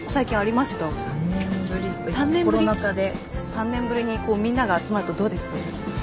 ３年ぶりにみんなが集まるとどうです？